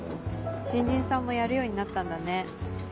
新人さんもやるようになったんだね。